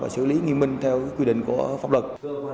chủ lý nghinh minh theo quy định của pháp luật